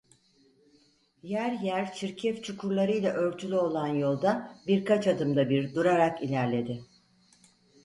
Yer yer çirkef çukurlarıyla örtülü olan yolda, birkaç adımda bir durarak ilerledi.